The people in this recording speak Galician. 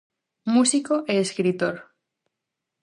Músico e escritor.